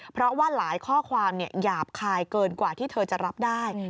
เพราะว่าหลายข้อความหยาบคายเกินกว่าที่เธอจะรับได้